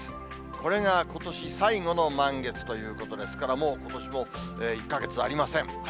これがことし最後の満月ということですから、もう、ことしも１か月ありません。